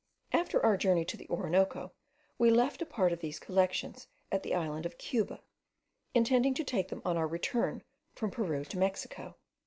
After our journey to the Orinoco, we left a part of these collections at the island of Cuba, intending to take them on our return from Peru to Mexico.